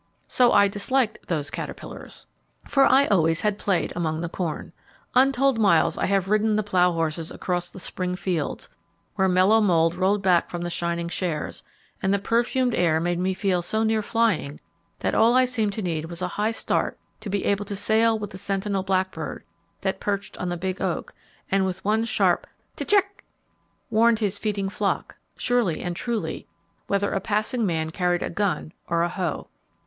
So I disliked those caterpillars. For I always had played among the corn. Untold miles I have ridden the plough horses across the spring fields, where mellow mould rolled black from the shining shares, and the perfumed air made me feel so near flying that all I seemed to need was a high start to be able to sail with the sentinel blackbird, that perched on the big oak, and with one sharp 'T'check!' warned his feeding flock, surely and truly, whether a passing man carried a gun or a hoe.